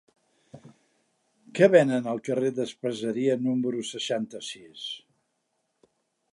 Què venen al carrer d'Espaseria número seixanta-sis?